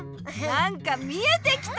なんか見えてきた！